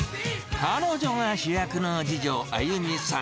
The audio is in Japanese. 彼女が主役の次女、あゆみさん